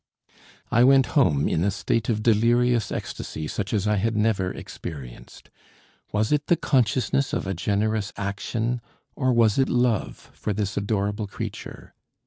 I went home in a state of delirious ecstasy such as I had never experienced. Was it the consciousness of a generous action, or was it love for this adorable creature?